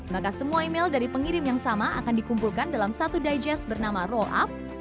maka semua email dari pengirim yang sama akan dikumpulkan dalam satu digest bernama rollup